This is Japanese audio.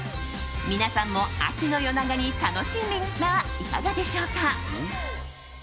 皆さんも秋の夜長に楽しんでみてはいかがでしょうか。